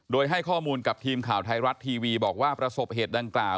โดยให้ข้อมูลกับทีมข่าวไทยรัฐทีวีบอกว่าประสบเหตุดังกล่าว